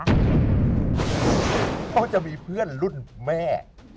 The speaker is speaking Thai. เขาจะมีเพื่อนรุ่นแม่